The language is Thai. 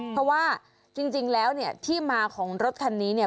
เพราะว่าจริงแล้วเนี่ยที่มาของรถคันนี้เนี่ย